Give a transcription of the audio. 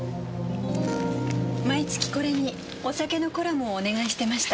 毎月これにお酒のコラムをお願いしてました。